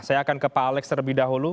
saya akan ke pak alex terlebih dahulu